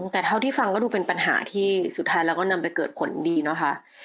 แต่เท่าที่ฟังก็ดูเป็นปัญหาที่สุดท้ายแล้วก็นำไปเกิดผลดีนะคะ